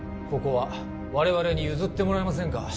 ここは我々に譲ってもらえませんか？